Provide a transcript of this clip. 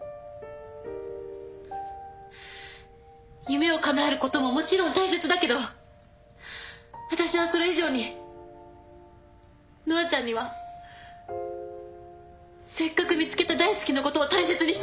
夢をかなえることももちろん大切だけど私はそれ以上に乃愛ちゃんにはせっかく見つけた大好きなことを大切にしてほしい。